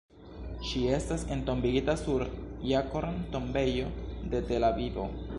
Ŝi estas entombigita sur Jarkon'-tombejo de Tel-Avivo.